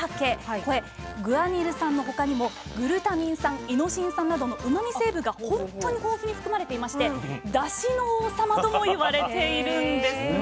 これグアニル酸の他にもグルタミン酸イノシン酸などのうまみ成分が本当に豊富に含まれていまして「だしの王様」とも言われているんですね。